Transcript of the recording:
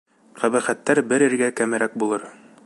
Ҡәбәхәттәр бер иргә кәмерәк булыр!